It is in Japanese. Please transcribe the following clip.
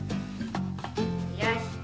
よし。